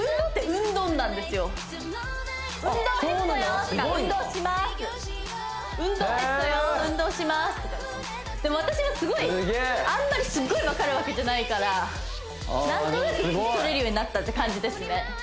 「ウンドンヘッソヨ」「運動します」とかですねでも私はあんまりすごいわかるわけじゃないから何となく聞き取れるようになったって感じですね